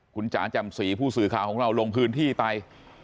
คุณจ๋าจำศรีผู้สื่อข่าวของเราลงพื้นที่ไป